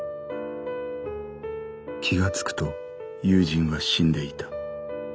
気がつくと友人は死んでいた。